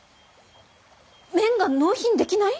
麺が納品できない！？